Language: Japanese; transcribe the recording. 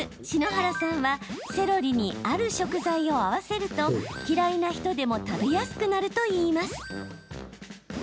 篠原さんはセロリにある食材を合わせると嫌いな人でも食べやすくなるといいます。